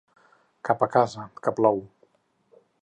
Cap a casa, que plou.